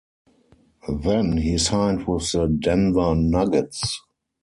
Then he signed with the Denver Nuggets.